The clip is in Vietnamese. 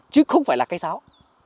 chứ không phải là cây sáo